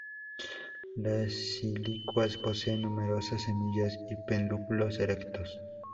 Las silicuas poseen numerosas semillas y pedúnculos erectos.